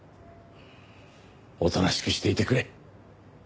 おとなしくしていてくれ。